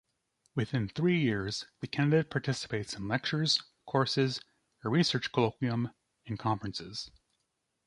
Within three years, the candidate participates in lectures, courses, a research colloquium and conferences.